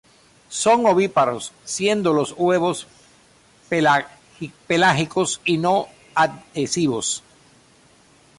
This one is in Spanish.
Son ovíparos, siendo los huevos pelágicos y no adhesivos.